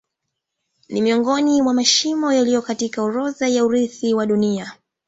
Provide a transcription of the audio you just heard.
Ni miongoni mwa mashimo yaliyo katika orodha ya urithi wa Dunia.